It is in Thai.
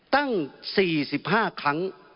ตั้ง๔๕ครั้ง